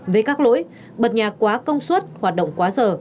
với các lỗi bật nhà quá công suất hoạt động quá sở